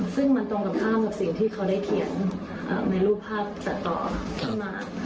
ซึ่งมันตรงกันข้ามกับสิ่งที่เขาได้เขียนในรูปภาพตัดต่อขึ้นมา